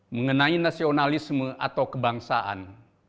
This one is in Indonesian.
mengenai nasionalisme atau kebangsaan